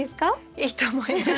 いいと思います。